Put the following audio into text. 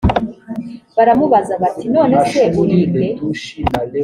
baramubaza bati none se uri nde?